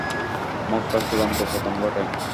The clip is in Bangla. মক্কার চুড়ান্ত পতন ঘটে।